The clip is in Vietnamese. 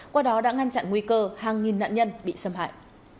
qua đó đã ngăn chặn nguy cơ hàng nghìn nạn nhân bị xâm hại